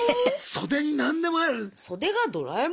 袖に何でもある。